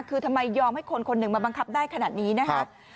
คือทำไมยอมให้คนคนหนึ่งมาบังคับได้ขนาดนี้นะครับ